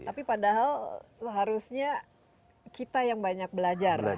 tapi padahal harusnya kita yang banyak belajar